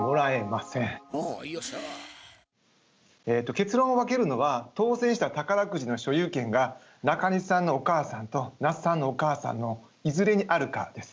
結論を分けるのは当せんした宝くじの所有権が中西さんのお母さんと那須さんのお母さんのいずれにあるかです。